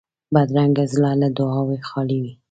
بدرنګه زړه له دعاوو خالي وي